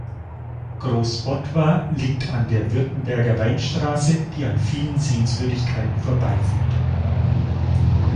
Großbottwar liegt an der Württemberger Weinstraße, die an vielen Sehenswürdigkeiten vorbeiführt.